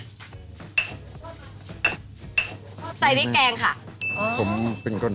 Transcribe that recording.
ใส่พริกแกงค่ะ